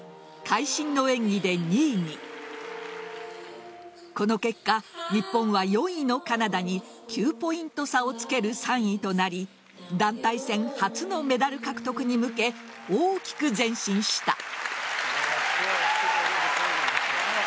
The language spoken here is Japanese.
会心の演技で２位に．この結果日本は４位のカナダに９ポイント差をつける３位となり団体戦初のメダル獲得に向け大きく前進した。